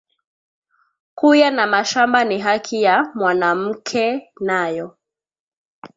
Kuya na mashamba ni haki ya mwanamuke nayo